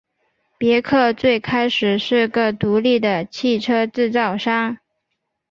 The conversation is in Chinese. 别克最开始是个独立的汽车制造商。